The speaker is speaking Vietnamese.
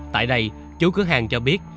tại đây chú cửa hàng cho biết